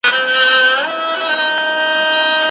د سړي سر عاید زیاتوالی ډېر مهم دی.